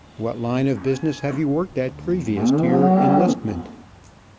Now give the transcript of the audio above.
What line of business have you worked at previous to your enlistment?